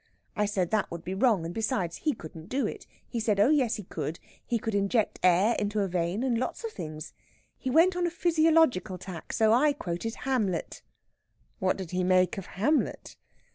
I said that would be wrong, and besides, he couldn't do it. He said, oh yes, he could he could inject air into a vein, and lots of things. He went on a physiological tack, so I quoted Hamlet." "What did he make of Hamlet?"